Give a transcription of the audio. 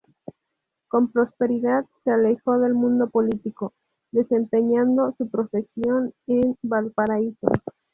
Con posterioridad, se alejó del mundo político, desempeñando su profesión en Valparaíso.